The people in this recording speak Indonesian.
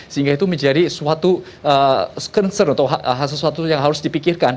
sehingga itu menjadi suatu concern atau sesuatu yang harus dipikirkan